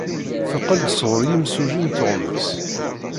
Teqqel-d sɣur yimsujji n tuɣmas.